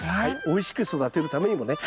おいしく育てるためにもね。